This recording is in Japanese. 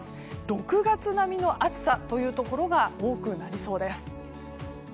６月並みの暑さというところが多くなりそうです。